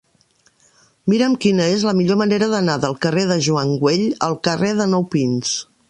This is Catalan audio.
Mira'm quina és la millor manera d'anar del carrer de Joan Güell al carrer de Nou Pins.